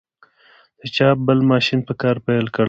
د چاپ بل ماشین په کار پیل کړی و.